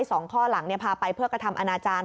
ไอ้๒ข้อหลังเนี่ยพาไปเพื่อกระทำอาณาจารย์